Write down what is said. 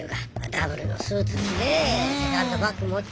ダブルのスーツ着てセカンドバッグ持って。